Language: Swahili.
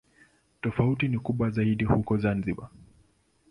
Tofauti ni kubwa zaidi huko Zanzibar.